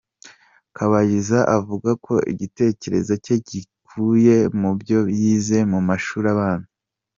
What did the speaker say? Kabayiza avuga ko igitekerezo cye yagikuye mu byo yize mu mashuri abanza.